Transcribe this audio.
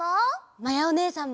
まやおねえさんも！